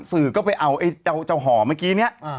สื่อก็ไปเอาเจ้าห่อเมื่อกี้